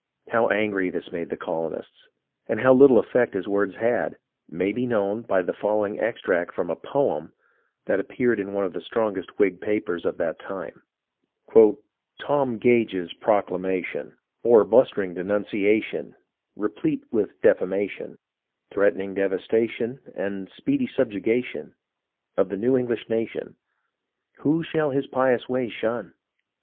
How angry this made the colonists, and how little effect his words had, may be known by the following extract from a " poem " that appeared in one of the strongest of the Whig papers of that time :— o 2 BUNKER HILL 6l "Tom Gage's Proclamation; Or blustering denunciation, (Replete with defamation) Threatening devastation And speedy jugulation Of the new English nation, — Who shall his pious ways shun